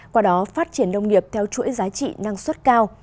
qua đó phát triển nông nghiệp theo chuỗi giá trị năng suất cao